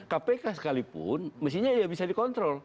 kpk sekalipun mesinnya bisa dikontrol